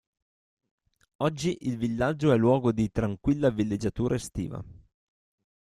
Oggi il villaggio è luogo di tranquilla villeggiatura estiva.